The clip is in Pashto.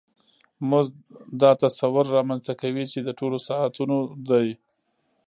مزد دا تصور رامنځته کوي چې د ټولو ساعتونو دی